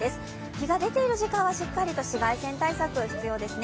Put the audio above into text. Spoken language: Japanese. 日が出ている時間はしっかりと紫外線対策、必要ですね